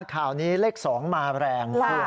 ข่าวนี้เลข๒มาแรงคุณ